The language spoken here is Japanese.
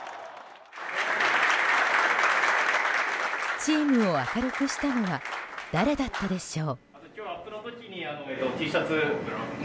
チームを明るくしたのは誰だったでしょう。